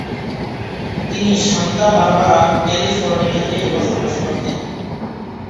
তিনি Santa Barbara, ক্যালিফোর্নিয়াতে বসবাস করতেন।